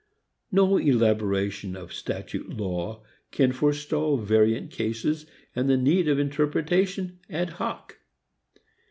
No elaboration of statute law can forestall variant cases and the need of interpretation ad hoc.